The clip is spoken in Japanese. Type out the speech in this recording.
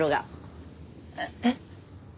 えっ？